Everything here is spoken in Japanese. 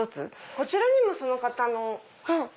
こちらにもその方の。